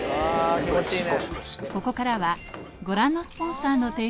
気持ちいいね。